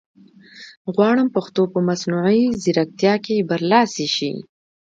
غواړم پښتو په مصنوعي ځیرکتیا کې برلاسې شي